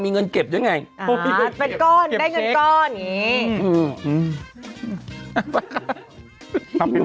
มีเงินเก็บได้ไง